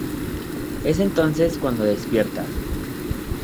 Es entonces cuando despierta.